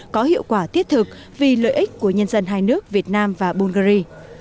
có hiệu quả thiết thực vì lợi ích của nhân dân hai nước việt nam và bungary